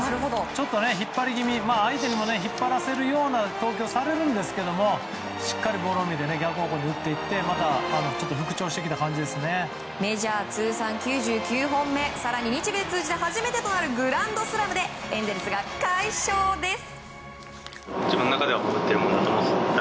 ちょっと引っ張り気味相手も引っ張らせるような投球をされるんですけどしっかりボールを見て逆方向に打っていってメジャー通算９９本目更に、日米通じて初めてとなるグランドスラムでエンゼルスが快勝です。